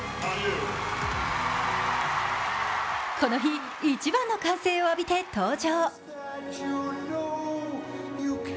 この日一番の歓声を浴びて登場。